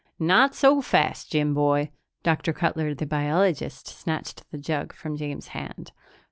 "Not so fast, Jim, boy!" Dr. Cutler, the biologist, snatched the jug from James' hand.